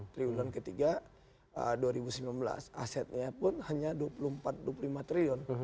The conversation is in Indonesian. triwulan ketiga dua ribu sembilan belas asetnya pun hanya dua puluh empat dua puluh lima triliun